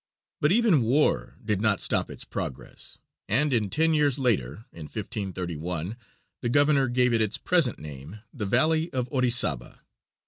But even war did not stop its progress, and in ten years later, in 1531, the governor gave it its present name, the Valley of Orizaba.